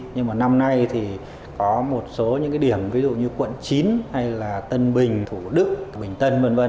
nhưng mà năm nay thì có một số những cái điểm ví dụ như quận chín hay là tân bình thủ đức bình tân v v